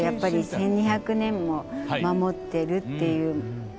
１２００年も守ってるっていう